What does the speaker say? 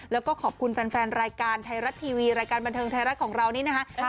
แล้วก็ขอบคุณแฟนรายการไทยรัฐทีวีรายการบันเทิงไทยรัฐของเรานี่นะคะ